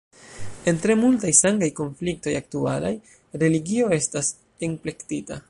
En tre multaj sangaj konfliktoj aktualaj religio estas enplektita.